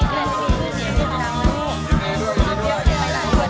ดีมากครับ